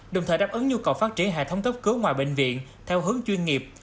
đồng thời đáp ứng nhu cầu phát triển hệ thống cấp cứu ngoài bệnh viện theo hướng chuyên nghiệp